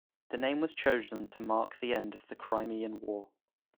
The name was chosen to mark the end of the Crimean War.